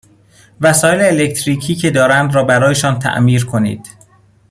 وسایل الکتریکی که دارند را برایشان تعمیر کنید،